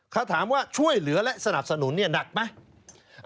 ถ้าถามว่าช่วยเหลือและสนับสนุนเนี่ยหนักไหม